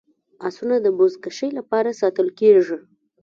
اسونه د بزکشۍ لپاره ساتل کیږي.